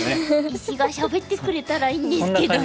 石がしゃべってくれたらいいんですけどね。